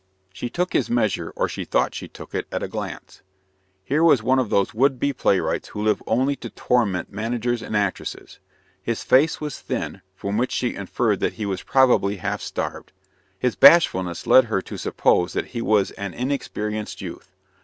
She took his measure, or she thought she took it, at a glance. Here was one of those would be playwrights who live only to torment managers and actresses. His face was thin, from which she inferred that he was probably half starved. His bashfulness led her to suppose that he was an inexperienced youth.